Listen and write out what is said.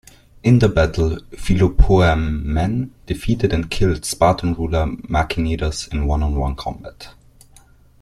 In the battle, Philopoemen defeated and killed the Spartan ruler Machanidas in one-on-one combat.